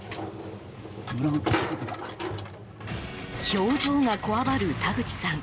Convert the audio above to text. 表情がこわばる田口さん。